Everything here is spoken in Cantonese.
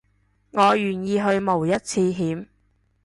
我願意去冒一次險